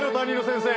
先生？